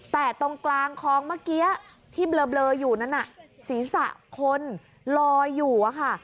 แต่ตรงกลางคลองเมื่อกี้ที่เบลออยู่นั้นศีรษะคนลอยอยู่อะค่ะ